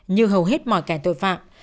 như hầu hết mọi kẻ tội phạm